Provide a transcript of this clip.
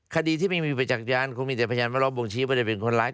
คดีที่ไม่มีประจักษ์คงมีแต่พยานแวดล้อมวงชี้ว่าจะเป็นคนร้าย